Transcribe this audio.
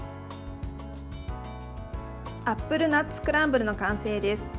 アップルナッツクランブルの完成です。